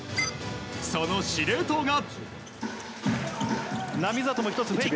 その司令塔が。